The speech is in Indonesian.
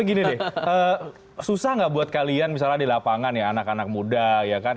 gini deh susah nggak buat kalian misalnya di lapangan ya anak anak muda ya kan